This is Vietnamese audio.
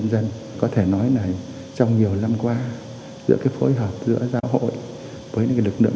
nên cái tinh thần phục đạo yêu nước